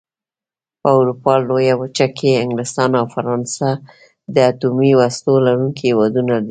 په اروپا لويه وچه کې انګلستان او فرانسه د اتومي وسلو لرونکي هېوادونه دي.